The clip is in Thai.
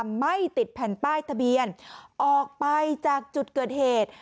ไม่ติดแผ่นป้ายทะเบียนออกไปจากจุดเกิดเหตุ